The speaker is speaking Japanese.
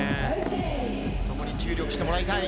そこに注力してもらいたい。